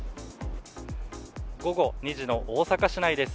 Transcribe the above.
午後２時の大阪市内です。